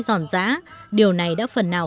giòn giã điều này đã phần nào